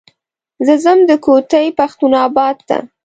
زه ځم د کوتي پښتون اباد ته.